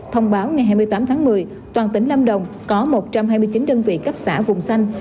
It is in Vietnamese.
thông báo ngày hai mươi tám tháng một mươi toàn tỉnh lâm đồng có một trăm hai mươi chín đơn vị cấp xã vùng xanh